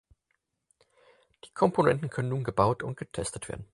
Die Komponenten können nun gebaut und getestet werden.